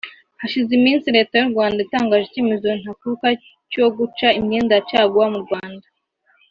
Hashize iminsi leta y’ u Rwanda itangaje icyemezo ntakuka cyo guca imyenda ya caguwa mu Rwanda